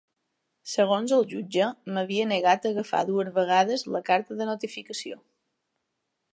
Segons el jutge, m’havia negat a agafar dues vegades la carta de notificació.